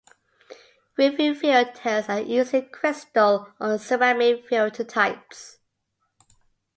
Roofing filters are usually crystal or ceramic filter types.